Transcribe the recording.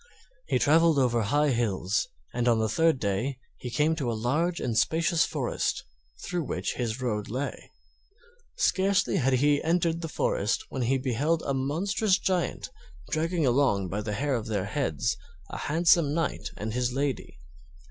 He traveled over high hills, and on the third day he came to a large and spacious forest through which his road lay. Scarcely had he entered the forest when he beheld a monstrous Giant dragging along by the hair of their heads a handsome Knight and his lady.